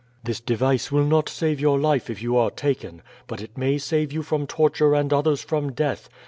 "This device will not save your life if you are taken, but it may save you from torture and others from death.